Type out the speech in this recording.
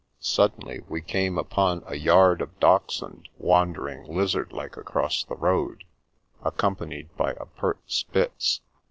Suddenly we came upon a yard of Dachshund wandering lizard like across the road, accompanied by a pert Spitz.